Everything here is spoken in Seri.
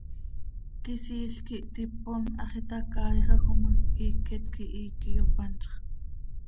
Quisiil quih tipon, hax itacaaixaj oo ma, quiiquet quih íiqui yopanzx.